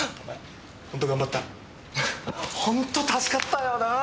ホント助かったよなあ？